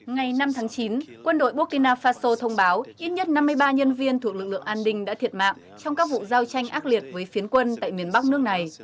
ngày năm tháng chín quân đội burkina faso thông báo ít nhất năm mươi ba nhân viên thuộc lực lượng an ninh đã thiệt mạng trong các vụ giao tranh ác liệt với phiến quân tại miền bắc nước này